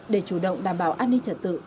để chủ động đảm bảo an ninh trật tự